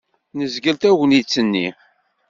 Nezgel tagnit-nni.